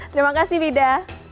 terima kasih widya